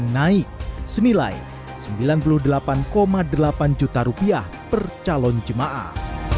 naik senilai sembilan puluh delapan delapan juta rupiah per calon jemaah